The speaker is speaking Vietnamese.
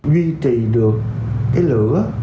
duy trì được cái lửa